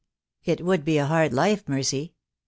"It would be a hard life, Mercy."